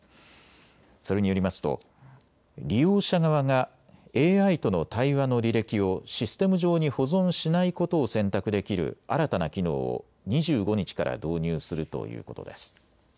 それによりますと利用者側がＡＩとの対話の履歴をシステム上に保存しないことを選択できる新たな機能を２５日から導入するということです。